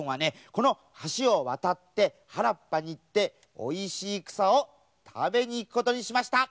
このはしをわたってはらっぱにいっておいしいくさをたべにいくことにしました。